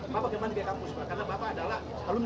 bapak kembali ke kampus